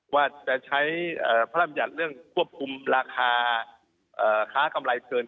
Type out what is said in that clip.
ว่าจะใช้พระรำยัติเรื่องควบคุมราคาค้ากำไรเกิน